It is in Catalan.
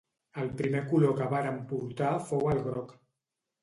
El primer color que vàrem portar fou el groc.